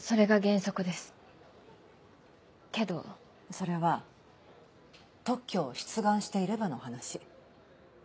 それは特許を出願していればの話。